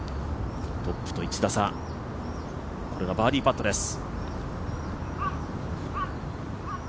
トップと１打差、これがバーディーパットです。